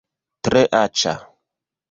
Tre aĉa